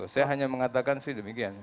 saya hanya mengatakan sih demikian